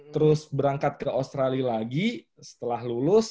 terus berangkat ke australia lagi setelah lulus